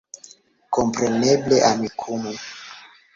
Kompreneble, Amikumu